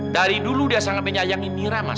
dari dulu dia sangat menyayangi mira mas